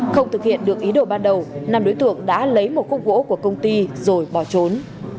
không thực hiện được ý đồ ban đầu năm đối tượng đã lấy một khúc gỗ của công ty rồi bỏ trốn